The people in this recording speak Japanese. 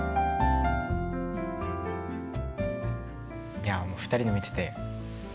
いやもう２人の見てて感動した。